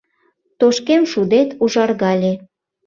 Тошкем шудет ужаргале.